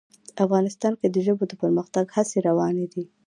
افغانستان کې د ژبو د پرمختګ هڅې روانې دي.